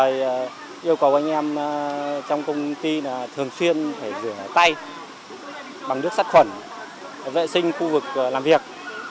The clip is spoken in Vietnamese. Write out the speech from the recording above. và yêu cầu anh em trong công ty là thường xuyên phải rửa tay bằng nước sát khuẩn vệ sinh khu vực làm việc